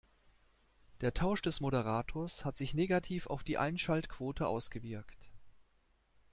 Der Tausch des Moderators hat sich negativ auf die Einschaltquote ausgewirkt.